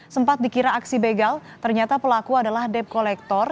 sempat dikira aksi begal ternyata pelaku adalah debt collector